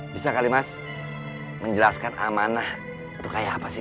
bisa kali mas menjelaskan amanah itu kayak apa sih